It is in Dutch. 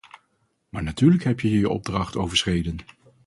Maar natuurlijk heb je je opdracht overschreden.